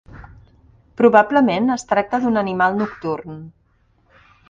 Probablement es tracta d'un animal nocturn.